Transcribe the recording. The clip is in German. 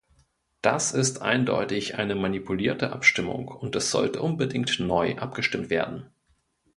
Das ist eindeutig eine manipulierte Abstimmung, und es sollte unbedingt neu abgestimmt werden.